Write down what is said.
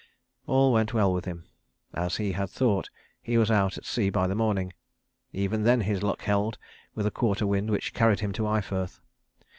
All went well with him; as he had thought, he was out at sea by the morning. Even then his luck held, with a quarter wind which carried him to Eyefirth.